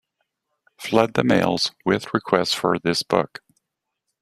Flood the mails with requests for this book.